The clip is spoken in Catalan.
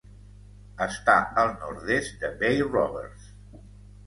Està al nord-est de Bay Roberts.